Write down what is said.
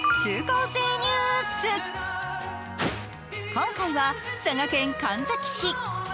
今回は佐賀県神埼市。